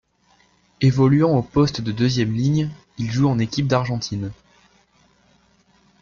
Évoluant au poste de deuxième ligne, il joue en équipe d'Argentine.